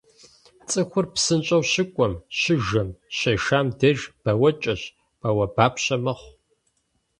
Цӏыхур псынщӏэу щыкӏуэм, щыжэм, щешам деж бауэкӏэщ, бауэбапщэ мэхъу.